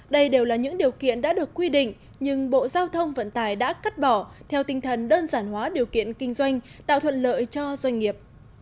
đây đều là những điều kiện đã được quy định nhưng bộ giao thông vận tải đã cắt bỏ theo tinh thần đơn giản hóa điều kiện kinh doanh tạo thuận lợi cho doanh nghiệp